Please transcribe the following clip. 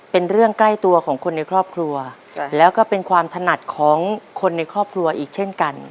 เป็นเรื่องใกล้ตัวของคนในครอบครัวแล้วก็เป็นความถนัดของคนในครอบครัวอีกเช่นกัน